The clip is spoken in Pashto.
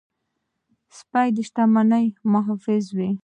سپي د شتمنۍ محافظ وي.